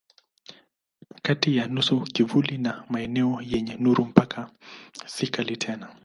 Kati ya nusu kivuli na maeneo yenye nuru mpaka si kali tena.